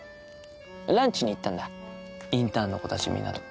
ランチに行ったんだインターンの子たちみんなで。